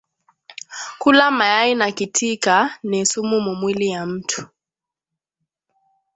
Kula mayayi na kitika ni sumu mu mwili ya mutu